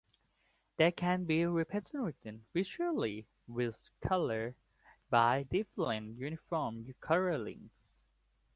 They can be represented visually with colors by different uniform colorings.